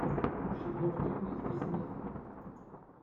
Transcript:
Cennuɣ-kem deg tizlatin.